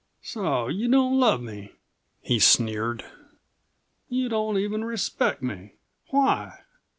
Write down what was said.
"So you don't love me?" he sneered. "You don't even respect me. Why?